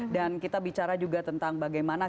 dan kita bicara juga tentang bagaimana